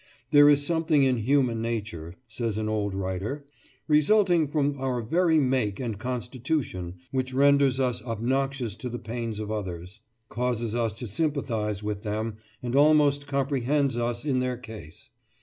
"There is something in human nature," says an old writer, "resulting from our very make and constitution, which renders us obnoxious to the pains of others, causes us to sympathise with them, and almost comprehends us in their case.